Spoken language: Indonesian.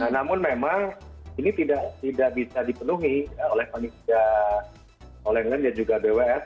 namun memang ini tidak bisa dipenuhi oleh panitia all england dan juga bws